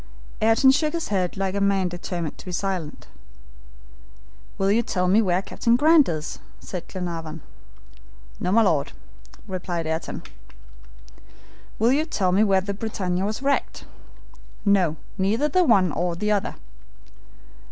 Ayrton shook his head like a man determined to be silent. "Will you tell me where Captain Grant is?" asked Glenarvan. "No, my Lord," replied Ayrton. "Will you tell me where the BRITANNIA was wrecked?" "No, neither the one nor the other."